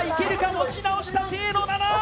持ち直した清野菜名！